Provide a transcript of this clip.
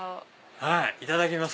はいいただきます。